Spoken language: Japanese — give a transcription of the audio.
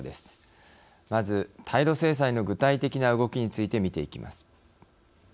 まず対ロ制裁の具体的な動きについて見ていきます。